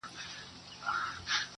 څوک چي وبا نه مني توره بلا نه مني٫